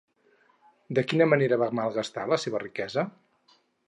De quina manera va malgastar la seva riquesa?